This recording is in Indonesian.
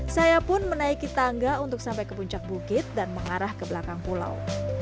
saya pun menaiki tangga untuk sampai ke puncak bukit dan mengarah ke belakang pulau